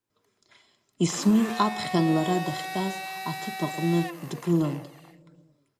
Исмил аԥхьан лара дахьтәаз аҭыԥ аҟны дгылан.